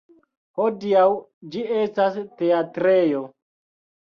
Hodiaŭ ĝi estas teatrejo.